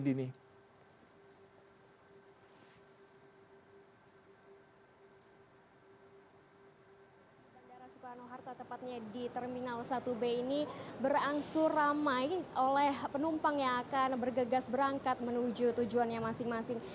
bandara soekarno hatta tepatnya di terminal satu b ini berangsur ramai oleh penumpang yang akan bergegas berangkat menuju tujuan yang masing masing